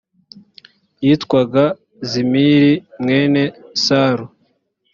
yitwaga zimiri mwene salu.